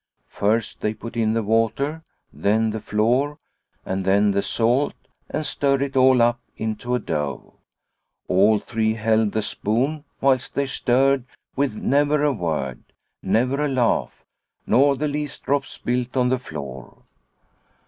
First they put in the water, then the flour and then the salt, and stirred it all up into a dough. All three held the spoon whilst they stirred with never a word, never a laugh, nor the least drop spilt on the floor.